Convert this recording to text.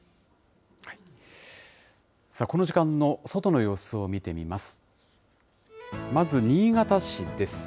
この時間の外の様子を見てみます。